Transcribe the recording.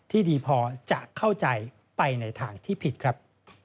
ที่ดีพอจะเข้าใจไปในทางที่ผิดครับ